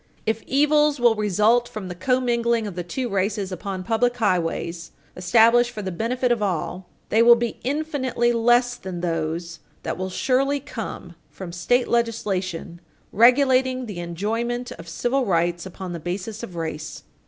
If evils will result from the commingling of the two races upon public highways established for the benefit of all, they will be infinitely less than those that will surely come from state legislation regulating the enjoyment of civil rights upon the basis of race.